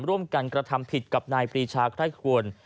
ร่วมกันกระทำผิดกับนายปรีชาไคร่ควร